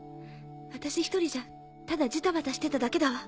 私１人じゃただジタバタしてただけだわ。